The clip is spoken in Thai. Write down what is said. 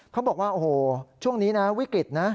เขาบอกว่าโอ้โหช่วงนี้นะวิกฤตนะ